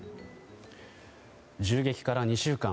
銃撃から２週間。